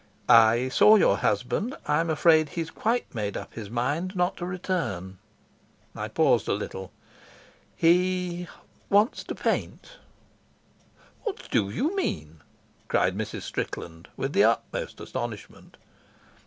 "I saw your husband. I'm afraid he's quite made up his mind not to return." I paused a little. "He wants to paint." "What do you mean?" cried Mrs. Strickland, with the utmost astonishment.